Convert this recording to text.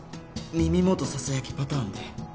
耳元ささやきパターンで